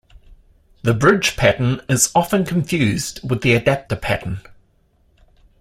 The bridge pattern is often confused with the adapter pattern.